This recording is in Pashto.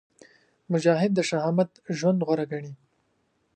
مجاهد د شهامت ژوند غوره ګڼي.